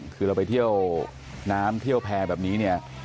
คือเราไปเที่ยวน้ำเที่ยวแพร่แบบนี้เนี่ย